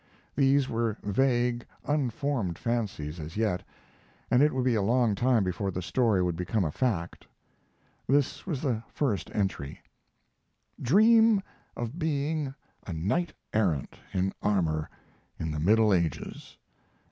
These were vague, unformed fancies as yet, and it would be a long time before the story would become a fact. This was the first entry: Dream of being a knight errant in armor in the Middle Ages.